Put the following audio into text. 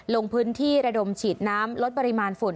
ลงพื้นที่ระดมฉีดน้ำลดปริมาณฝุ่น